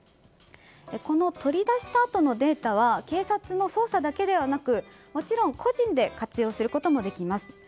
この取り出したあとのデータは警察の捜査だけではなくもちろん個人で活用することもできます。